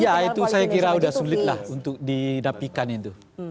ya itu saya kira sudah sulitlah untuk didapikan itu